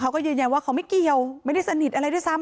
เขาก็ยืนยันว่าเขาไม่เกี่ยวไม่ได้สนิทอะไรด้วยซ้ำ